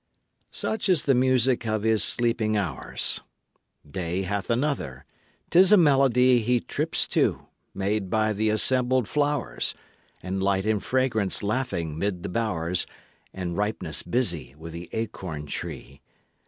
Such is the music of his sleeping hours. Day hath another 'tis a melody He trips to, made by the assembled flowers, And light and fragrance laughing 'mid the bowers, And ripeness busy with the acorn tree.